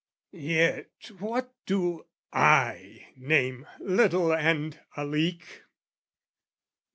Yet what do I name "little and a leak?"